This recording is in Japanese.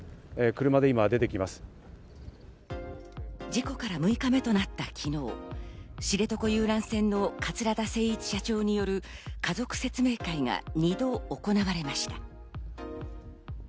事故から６日目となった昨日、知床遊覧船の桂田精一社長による家族説明会が２度行われました。